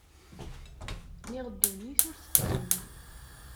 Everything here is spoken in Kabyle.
Niɣ ddunit ur tettdum.